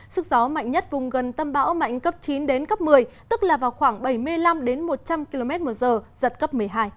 sức gió mạnh nhất vùng gần tâm bão mạnh cấp chín đến cấp một mươi tức là vào khoảng bảy mươi năm một trăm linh km một giờ giật cấp một mươi hai